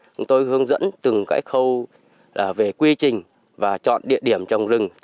chúng tôi hướng dẫn từng cái khâu về quy trình và chọn địa điểm trồng rừng